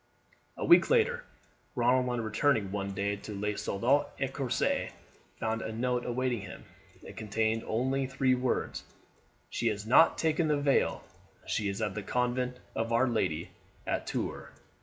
A week later, Ronald, on returning one day to Le Soldat Ecossais, found a note awaiting him. It contained only the words: "She has not taken the veil; she is at the convent of Our Lady at Tours."